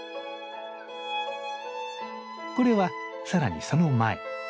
これはさらにその前。